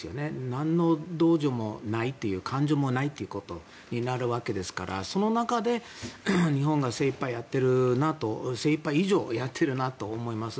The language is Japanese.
なんの同情もないっていう感情もないっていうことになるわけですからその中で日本が精いっぱいやっているなと精いっぱい以上やってるなと思います。